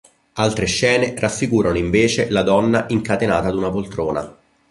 Altre scene raffigurano invece la donna incatenata ad una poltrona.